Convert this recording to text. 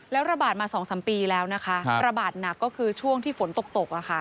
แล้วระบาดมา๒๓ปีแล้วนะคะระบาดหนักก็คือช่วงที่ฝนตก